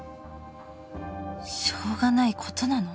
しょうがないことなの？